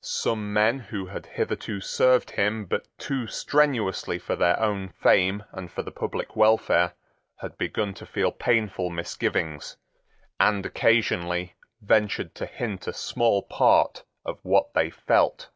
Some men who had hitherto served him but too strenuously for their own fame and for the public welfare had begun to feel painful misgivings, and occasionally ventured to hint a small part of what they felt.